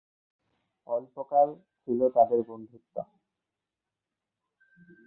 অল্পকাল ছিল তাদের বন্ধুত্ব।